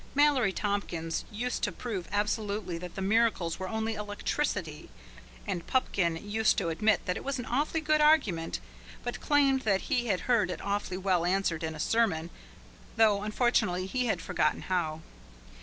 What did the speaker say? Mallory Tompkins used to prove absolutely that the miracles were only electricity, and Pupkin used to admit that it was an awfully good argument, but claimed that he had heard it awfully well answered in a sermon, though unfortunately he had forgotten how.